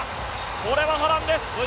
これは波瀾です。